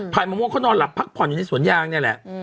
มะม่วงเขานอนหลับพักผ่อนอยู่ในสวนยางนี่แหละ